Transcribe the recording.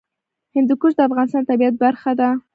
هندوکش د افغانستان د طبیعت برخه ده.